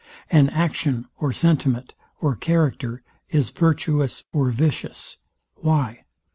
An action, or sentiment, or character is virtuous or vicious; why?